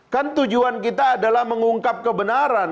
kebenaran kita adalah mengungkap kebenaran